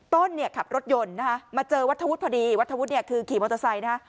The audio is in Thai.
ต้นเนี่ยขับรถยนต์นะฮะมาเจอวัฒวุฒิพอดีวัฒวุฒิเนี่ยคือขี่มอเตอร์ไซค์นะฮะ